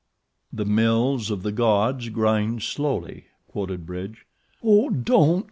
"The mills of the Gods grind slowly," quoted Bridge. "Oh, don't!"